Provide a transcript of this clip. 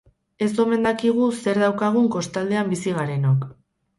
Ez omen dakigu zer daukagun kostaldean bizi garenok.